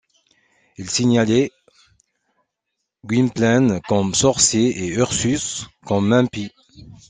Ils signalaient Gwynplaine comme sorcier et Ursus comme impie.